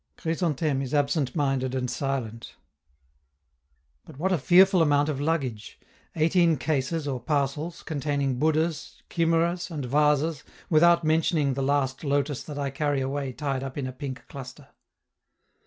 Chrysantheme is absent minded and silent. But what a fearful amount of luggage! Eighteen cases or parcels, containing Buddhas, chimeras, and vases, without mentioning the last lotus that I carry away tied up in a pink cluster.